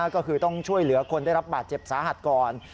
ก็คือต้องช่วยเหลือคนได้รับบาดเจ็บสาหัสก่อน